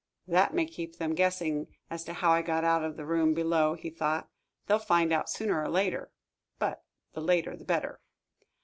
"That may keep them guessing as to how I got out of the room below," he thought. "They'll find out sooner or later but the later the better."